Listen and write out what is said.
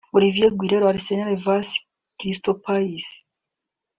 Olivier Giroud (Arsenal vs Crystal Palace)